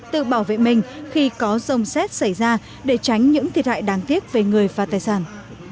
tự bảo vệ mình khi có rông xét xảy ra để tránh những thiệt hại đáng tiếc về người và tài sản